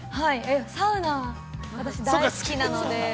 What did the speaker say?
◆サウナ、私大好きなので。